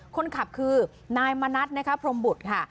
คนขับคือนายมณัฐนะคะพรมบุตรค่ะ